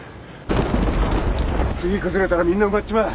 次崩れたらみんな埋まっちまう！